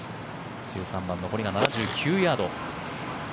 １３番、残りが７９ヤード。